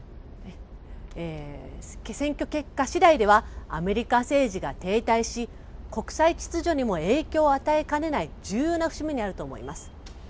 選挙結果次第ではアメリカ政治が停滞し国際秩序にも影響を与えかねない重要な節目にあると思います。